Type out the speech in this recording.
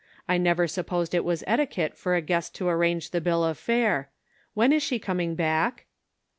I never supposed it was etiquette for a guest to arrange the bill of fare. When is she coming back